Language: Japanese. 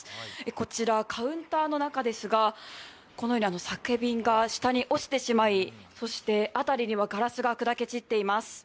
こちら、カウンターの中ですがこのように酒瓶が下に落ちてしまい、辺りにはガラスが砕け散っています。